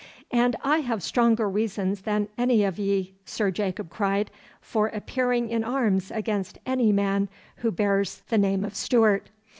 'And I have stronger reasons than any of ye,' Sir Jacob cried, 'for appearing in arms against any man who bears the name of Stuart.